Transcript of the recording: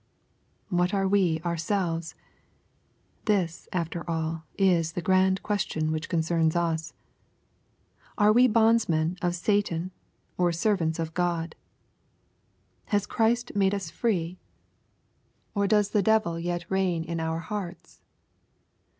What are we ourselves ? This, after all, is the grand question which concerns us. Are we bondsmen of Satan or servants of God ? Has Christ made us free, or does LUKE, CHAP, VIII. 271 she devil yet reign in our hearts